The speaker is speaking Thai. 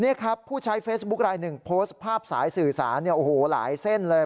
นี่ครับผู้ใช้เฟซบุ๊คลายหนึ่งโพสต์ภาพสายสื่อสารเนี่ยโอ้โหหลายเส้นเลย